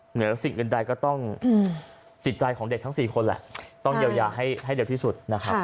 เหนือสิ่งอื่นใดก็ต้องจิตใจของเด็กทั้ง๔คนแหละต้องเยียวยาให้เร็วที่สุดนะครับ